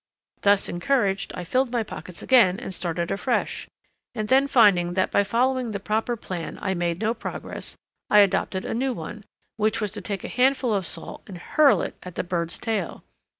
Thus encouraged I filled my pockets again and started afresh, and then finding that by following the proper plan I made no progress I adopted a new one, which was to take a handful of salt and hurl it at the bird's tail.